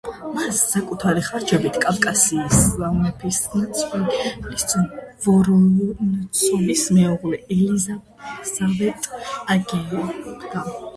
მას საკუთარი ხარჯებით კავკასიის მეფისნაცვლის ვორონცოვის მეუღლე ელიზავეტა აგებდა.